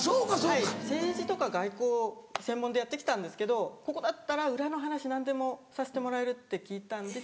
政治とか外交を専門でやってきたんですけどここだったら裏の話何でもさせてもらえるって聞いたんで。